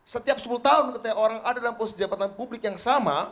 setiap sepuluh tahun ketika orang ada dalam posisi jabatan publik yang sama